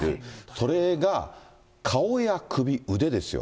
それが顔や首、腕ですよ。